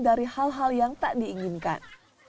dari hal hal yang tak diinginkan